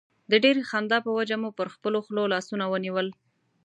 د ډېرې خندا په وجه مو پر خپلو خولو لاسونه ونیول.